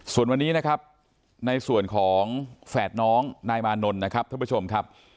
ส่วนวันนี้นะครับในส่วนของแฝดน้องนายมานนท์นะครับท่านผู้ชมครับ